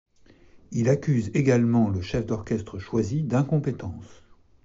Il accuse également le chef d'orchestre choisi d'incompétence.